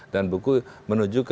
dan buku menuju ke